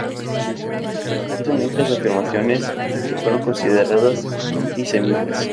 Hizo muchas afirmaciones que fueron consideradas anti-semitas.